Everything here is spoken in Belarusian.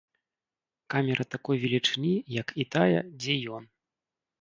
Камера такой велічыні, як і тая, дзе ён.